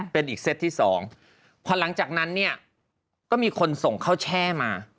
เป็นอีกเซตที่สองพอหลังจากนั้นเนี่ยก็มีคนส่งข้าวแช่มา